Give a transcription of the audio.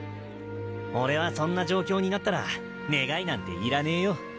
俺はそんな状況になったら願いなんていらねぇよ。